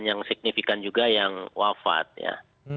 yang signifikan juga yang wafat ya